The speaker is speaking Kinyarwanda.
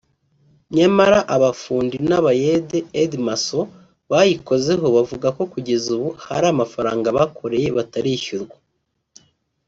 nyamara abafundi n’abayede (aide macon) bayikozeho bavuga ko kugeza ubu hari amafaranga bakoreye batarishyurwa